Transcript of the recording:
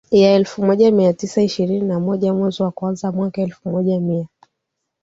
ya elfu moja mia tisa ishirini na mwezi wa kwanzaMwaka elfu moja mia